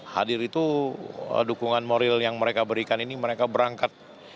hadir itu dukungan moral yang mereka berikan ini mereka berangkat